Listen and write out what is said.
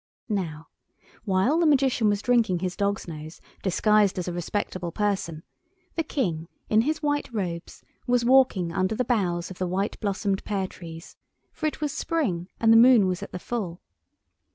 Now while the Magician was drinking his dog's nose, disguised as a respectable person, the King in his white robes was walking under the boughs of the white blossomed pear trees, for it was spring, and the moon was at the full.